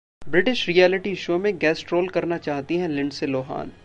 British reality show में guest role करना चाहती हैं लिंडसे लोहान